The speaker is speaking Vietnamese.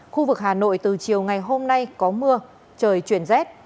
khu vực hà nội từ chiều ngày hôm nay có mưa trời chuyển rét